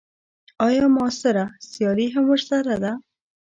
ایا معاصره سیالي هم ورسره ده.